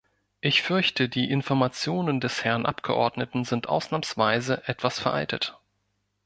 Ich fürchte, die Informationen des Herrn Abgeordneten sind ausnahmsweise etwas veraltet.